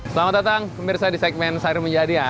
selamat datang pemirsa di segmen sarimu jadi